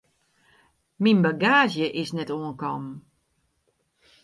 Myn bagaazje is net oankommen.